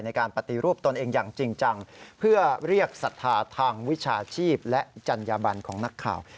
ในการปฏิรูปตนเองอย่างจริงจังเพื่อเรียกศรัทธาทางวิชาชีพและจัญญบันของนักข่าว